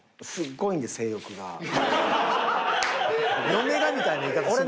嫁がみたいな言い方すなよ。